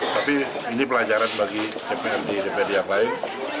tapi ini pelajaran bagi dprd dprd yang lain